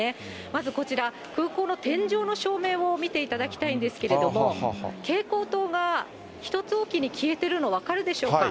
まずこちら、空港の天井の照明を見ていただきたいんですけれども、蛍光灯が１つ置きに消えているの、分かるでしょうか。